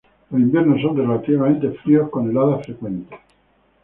Los inviernos son relativamente fríos, con heladas frecuentes.